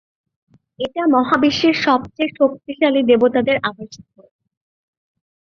এটা মহাবিশ্বের সবচেয়ে শক্তিশালী দেবতাদের আবাসস্থল।